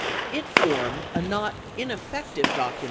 It formed a not ineffective docu* Vol.